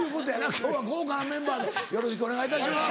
今日は豪華なメンバーでよろしくお願いいたします。